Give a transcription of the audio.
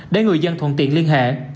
để người dân thuận tiện liên hệ